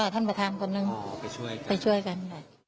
ท่านประธานก็๑ไปช่วยกัน